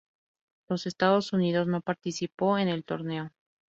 Los Estados Unidos no participó en el torneo.